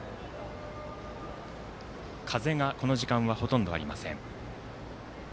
風は、この時間はほとんどありません。